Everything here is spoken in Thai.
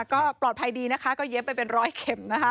ก็ปลอดภัยดีนะคะก็เย็บไปเป็นร้อยเข็มนะคะ